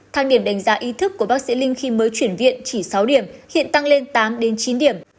thang điểm đánh giá ý thức của bác sĩ linh khi mới chuyển viện chỉ sáu điểm hiện tăng lên tám đến chín điểm